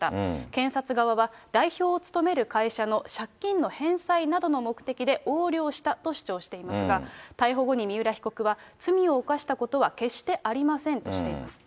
検察側は代表を務める会社の借金の返済などの目的で横領したと主張していますが、逮捕後に三浦被告は、罪を犯したことは決してありませんとしています。